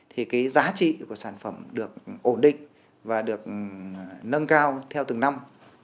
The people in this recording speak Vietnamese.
thì cái giá trị của sản phẩm được ổn định và được nâng cao theo từng năm